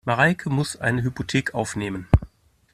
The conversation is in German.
Mareike muss eine Hypothek aufnehmen.